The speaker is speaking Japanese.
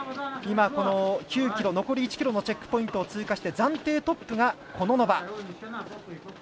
９ｋｍ、残り１ｋｍのチェックポイントを通過して暫定トップがコノノバ。